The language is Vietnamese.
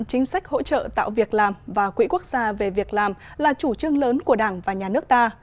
chính sách hỗ trợ tạo việc làm và quỹ quốc gia về việc làm là chủ trương lớn của đảng và nhà nước ta